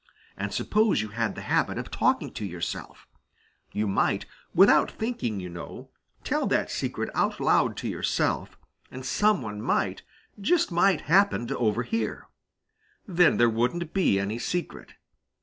And suppose you had the habit of talking to yourself. You might, without thinking, you know, tell that secret out loud to yourself, and some one might, just might happen to overhear! Then there wouldn't be any secret.